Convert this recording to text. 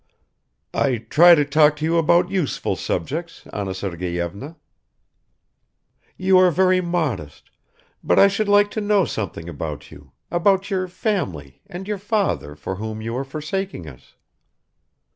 "I try to talk to you about useful subjects, Anna Sergeyevna." "You are very modest ... but I should like to know something about you, about your family and your father, for whom you are forsaking us."